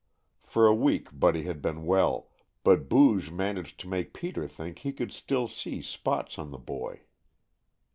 For a week Buddy had been well, but Booge managed to make Peter think he could still see spots on the boy.